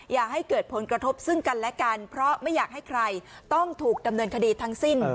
อย่าให้เกิดผลกระทบซึ่งกันและกันเพราะไม่อยากให้ใครต้องถูกดำเนินคดีทั้งสิ้น